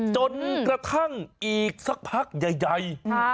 จนกระทั่งอีกสักพักใหญ่